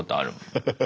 ハハハハ。